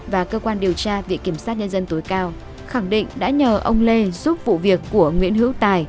và cơ quan điều tra viện kiểm sát nhân dân tối cao khẳng định đã nhờ ông lê giúp vụ việc của nguyễn hữu tài